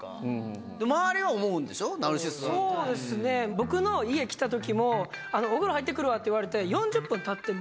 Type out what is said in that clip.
僕の家来たときも「お風呂入ってくるわ」って言われて。